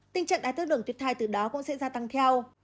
tình trạng đai tháo đường tuyết thai từ đó cũng sẽ gia tăng theo